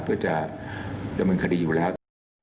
เพื่อจะดำเนินคดีอยู่แล้ว